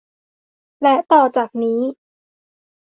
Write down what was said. และต่อจากนี้